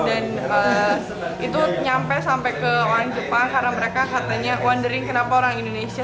dan itu nyampe sampai ke orang jepang karena mereka katanya wondering kenapa orang indonesia